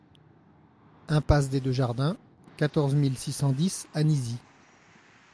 Impasse des Deux Jardins, quatorze mille six cent dix Anisy